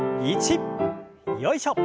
よいしょ。